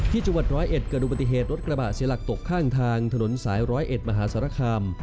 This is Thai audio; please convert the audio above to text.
จังหวัดร้อยเอ็ดเกิดอุบัติเหตุรถกระบะเสียหลักตกข้างทางถนนสายร้อยเอ็ดมหาสารคาม